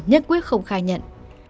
nhất quyết không khai nhận